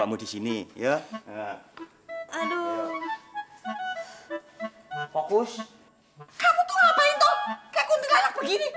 kamu tuh ngapain tuh kayak kuntilanak begini